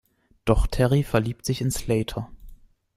Doch Terry verliebt sich in Slater.